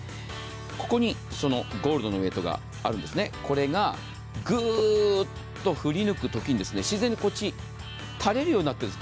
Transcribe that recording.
ここにゴールドのウェイトがあるんですね、これがぐーっと振り抜くときに自然にこっち、垂れるようになってるんです。